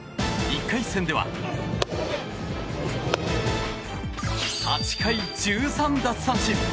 １回戦では、８回１３奪三振。